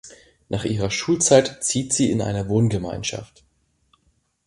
Nach ihrer Schulzeit zieht sie in eine Wohngemeinschaft.